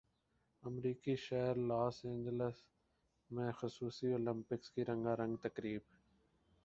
امریکی شہر Los Angeles میں خصوصی اولمپکس کی رنگا رنگ تقریب